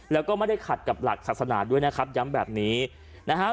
แล้วก็ไม่ได้ขัดกับหลักศาสนาด้วยนะครับย้ำแบบนี้นะฮะ